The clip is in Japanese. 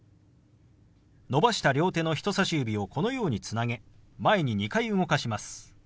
伸ばした両手の人さし指をこのようにつなげ前に２回動かします。